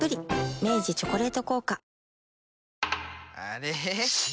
明治「チョコレート効果」